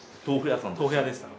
豆腐屋でした。